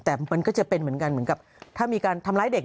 แต่มันก็จะเป็นเหมือนกันเหมือนกับถ้ามีการทำร้ายเด็ก